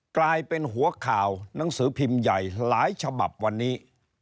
กลายเป็นหัวข่าวหนังสือพิมพ์ใหญ่หลายฉบับวันนี้